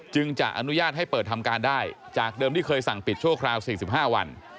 จะอนุญาตให้เปิดทำการได้จากเดิมที่เคยสั่งปิดชั่วคราว๔๕วัน